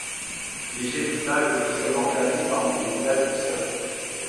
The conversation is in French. Ježevica est officiellement classée parmi les villages de Serbie.